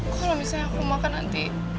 kalau misalnya aku makan nanti